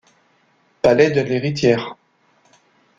Palais de l’héritière.